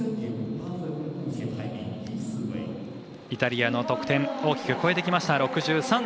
イタリアの得点大きく超えてきました。